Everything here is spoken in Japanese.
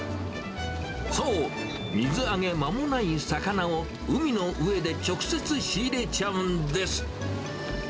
そう、水揚げ間もない魚を、海の上で直接仕入れちゃうんです。